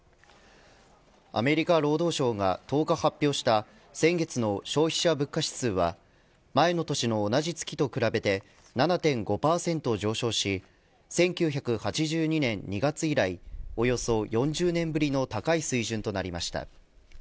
アメリカ労働省が１０日発表した先月の消費者物価指数は前の年の同じ月と比べて７．５％上昇し１９８２年２月以来およそ４０年ぶりの高い水準となりました。